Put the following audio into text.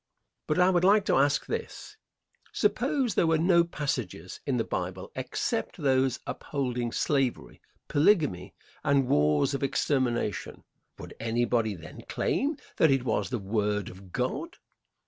But I would like to ask this: Suppose there were no passages in the Bible except those upholding slavery, polygamy and wars of extermination; would anybody then claim that it was the word of God?